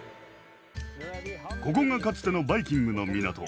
ここがかつてのバイキングの港。